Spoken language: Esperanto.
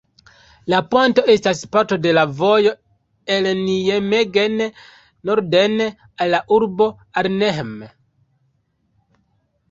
La ponto estas parto de la vojo el Nijmegen norden, al la urbo Arnhem.